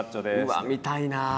うわっ見たいなあ。